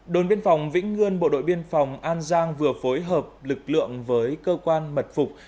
đồn biên phòng vĩnh ngươn bộ đội biên phòng an giang vừa phối hợp lực lượng với cơ quan mật phục